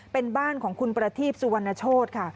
เป็นบ้านของคุณประทีปสุวรรณโชธค่ะ